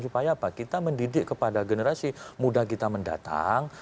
supaya apa kita mendidik kepada generasi muda kita mendatang